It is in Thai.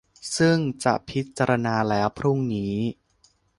ซึ่งจะพิจารณาแล้วพรุ่งนี้